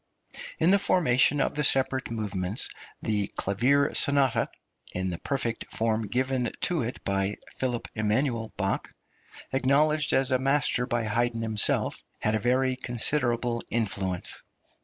In the formation of the separate movements the clavier sonata (in the perfect form given to it by Ph. Eman. Bach, acknowledged as a master by Haydn himself) had a very considerable influence.